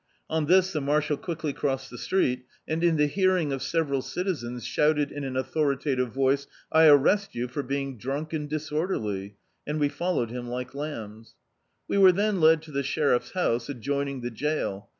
On this the marshal quickly crossed the street and in the hearing of several citizens, shouted in an au thoritative voice: — "I arrest you for being drunk and disorderly," and we followed him like lambs. We were then led to the sheriff's house, adjoining the jail.